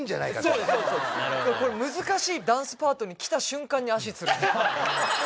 これ難しいダンスパートに来た瞬間に足つるんですよ。